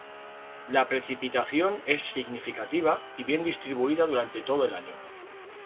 La precipitación es significativa y bien distribuida durante todo el año.